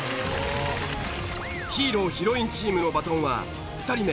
ヒーローヒロインチームのバトンは２人目